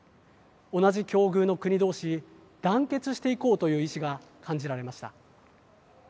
同じ境遇の国同士団結していこうという意思が感じられました。